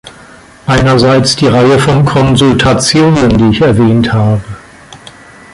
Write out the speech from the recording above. Einerseits die Reihe von Konsultationen, die ich erwähnt habe.